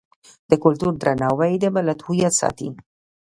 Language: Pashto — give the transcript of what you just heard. د کلتور درناوی د ملت هویت ساتي.